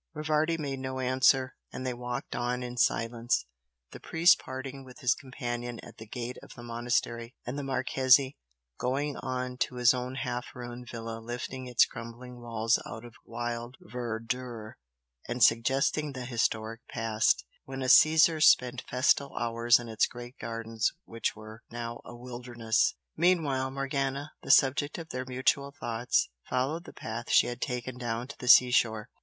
Rivardi made no answer, and they walked on in silence, the priest parting with his companion at the gate of the monastery, and the Marchese going on to his own half ruined villa lifting its crumbling walls out of wild verdure and suggesting the historic past, when a Caesar spent festal hours in its great gardens which were now a wilderness. Meanwhile, Morgana, the subject of their mutual thoughts, followed the path she had taken down to the seashore.